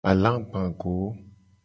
Alagba go.